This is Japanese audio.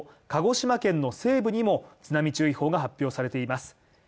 鹿児島県の西部にも津波注意報が発表されています。